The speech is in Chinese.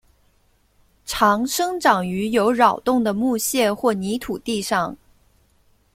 常生长于有扰动的木屑或泥土地上。